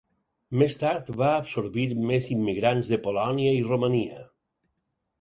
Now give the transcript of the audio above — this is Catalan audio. Més tard va absorbir més immigrants de Polònia i Romania.